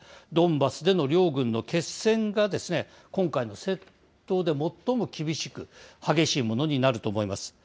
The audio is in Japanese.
ドンバスでの両軍の決戦が、今回の戦闘で最も厳しく、激しいものになると思います。